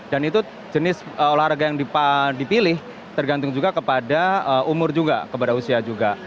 dan itu jenis olahraga yang dipilih tergantung juga kepada umur juga kepada usia juga